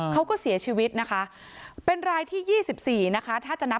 ผู้ที่เสียชีวิตคือผู้ที่อายุเยอะ